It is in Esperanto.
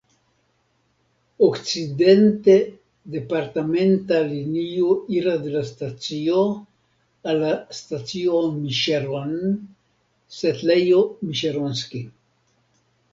Okcidente departementa linio iras de la stacio al la stacio Miŝeron (setlejo Miŝeronski).